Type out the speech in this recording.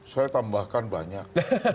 saya tambahkan banyak